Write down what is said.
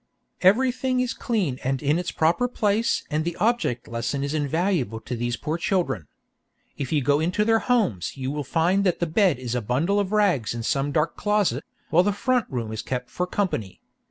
"Everything is clean and in its proper place and the object lesson is invaluable to these poor children. If you go into their homes you will find that the bed is a bundle of rags in some dark closet, while the front room is kept for company.